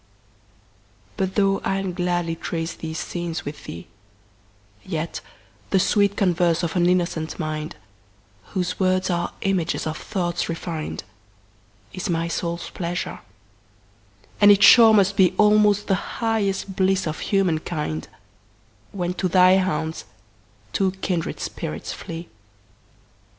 But though I'll gladly trace these scenes with thee, Yet the sweet converse of an innocent mind, Whose words are images of thoughts refin'd, Is my soul's pleasure; and it sure must beAlmost the highest bliss of human kind, When to thy haunts two kindred spirits flee.